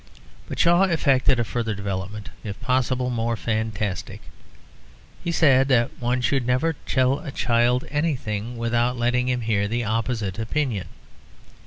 But Shaw effected a further development, if possible more fantastic. He said that one should never tell a child anything without letting him hear the opposite opinion.